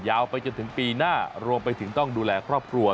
ไปจนถึงปีหน้ารวมไปถึงต้องดูแลครอบครัว